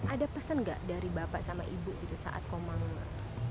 ada pesan gak dari bapak sama ibu saat komang